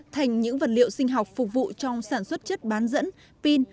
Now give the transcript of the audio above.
thành những vật liệu sinh học phục vụ trong sản xuất chất bán dẫn pin